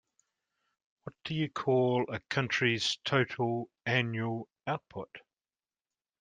What do you call a country's total annual output?